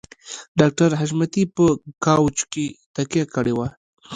ډاکټر حشمتي په کاوچ کې تکيه کړې وه